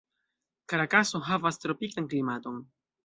Karakaso havas tropikan klimaton.